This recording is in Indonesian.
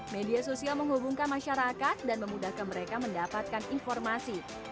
media sosial menghubungkan masyarakat dan memudahkan mereka mendapatkan informasi